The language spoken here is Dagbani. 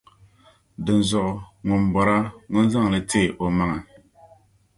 Dinzuɣu, ŋun bɔra ŋun zaŋ li n-teei o maŋa.